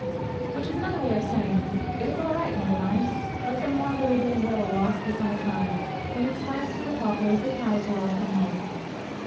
Which is another way of saying, 'It is all right, mother mine. Let them wander as they will whilst the sun is high; when it slants through the poplars the cows will all come home!'